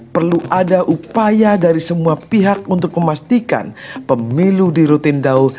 perlu ada upaya dari semua pihak untuk memastikan pemilu di rotendau